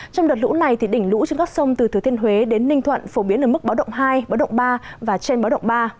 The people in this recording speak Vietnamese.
trong đợt lũ này đỉnh lũ trên các sông từ thứ thiên huế đến ninh thuận phổ biến ở mức bão động hai bão động ba và trên bão động ba